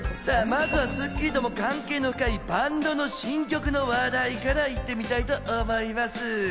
まず『スッキリ』とも関係の深いバンドの新曲の話題から行ってみたいと思います。